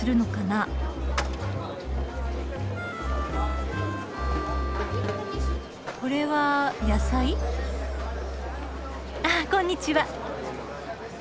あこんにちは。